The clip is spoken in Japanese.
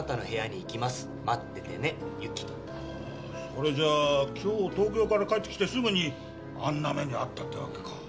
それじゃあ今日東京から帰ってきてすぐにあんな目に遭ったってわけか。